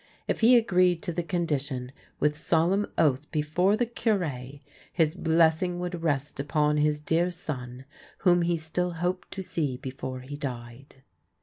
If he agreed to the condition, with solemn oath before the Cure, his bless ing would rest upon his dear son, whom lie still hoped to see before he died.